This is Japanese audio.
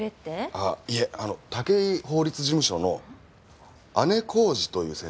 あっいえ武井法律事務所の姉小路という先生を。